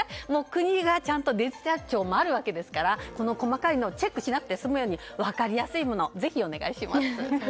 国がちゃんとデジタル庁もあるわけですから細かいのをチェックしなくて済むように分かりやすいものをぜひお願いします。